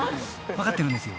［分かってるんですよ］